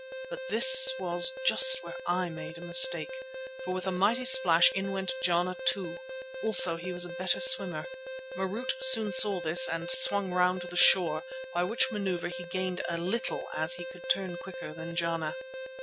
But this was just where I made a mistake, for with a mighty splash in went Jana too. Also he was the better swimmer. Marût soon saw this and swung round to the shore, by which manoeuvre he gained a little as he could turn quicker than Jana.